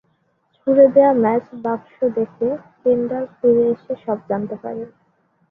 ছুড়ে দেয়া ম্যাচ বাক্স দেখে কেন্ডাল ফিরে এসে সব জানতে পারে।